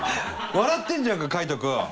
笑ってんじゃんか海人君。